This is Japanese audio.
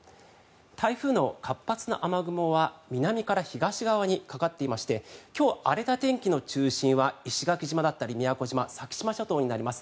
台風の活発な雨雲は南から東側にかかっていまして今日荒れた天気の中心は石垣島だったり宮古島先島諸島になります。